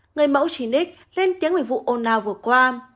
người mẫu chín x lên tiếng về vụ ôn nào vừa qua